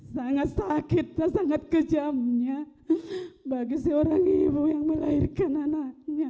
sangat sakit dan sangat kejamnya bagi seorang ibu yang melahirkan anaknya